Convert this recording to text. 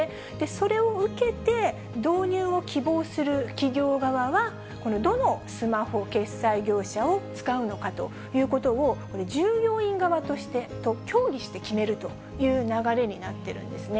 それを受けて、導入を希望する企業側は、どのスマホ決済業者を使うのかということを、従業員側と協議して決めるという流れになってるんですね。